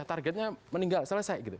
targetnya meninggal selesai gitu